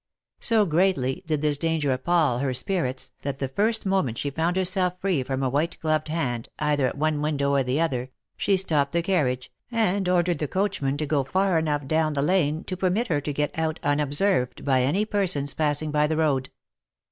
So greatly did this danger appal her spirits, that the first moment she found herself free from a white gloved hand either at one window or the other, she stopped the car riage, and ordered the coachman to go far enough down the lane to permit her to get out unobserved by any persons passing by the road.